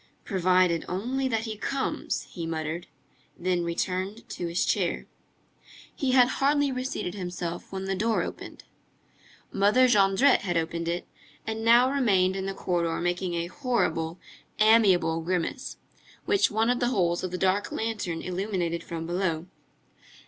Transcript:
"Provided only that he comes!" he muttered, then he returned to his chair. He had hardly reseated himself when the door opened. Mother Jondrette had opened it, and now remained in the corridor making a horrible, amiable grimace, which one of the holes of the dark lantern illuminated from below.